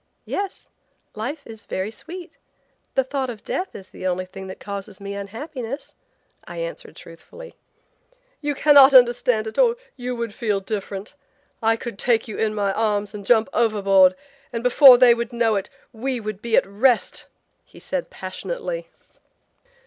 "Yes, life is very sweet. The thought of death is the only thing that causes me unhappiness," I answered truthfully. "You cannot understand it or you would feel different. I could take you in my arms and jump overboard, and before they would know it we would be at rest," he said passionately.